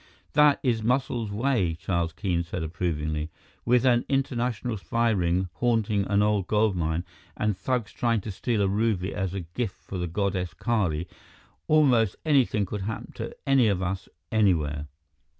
"That is Muscles' way," Charles Keene said approvingly. "With an international spy ring haunting an old gold mine and thugs trying to steal a ruby as a gift for the goddess Kali, almost anything could happen to any of us, anywhere!"